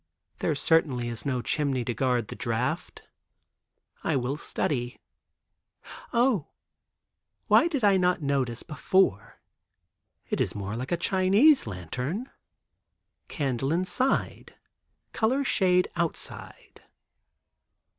There certainly is no chimney to guard the draught. I will study. Oh, why did I not notice before, it is more like a Chinese lantern—candle inside, colored shade outside.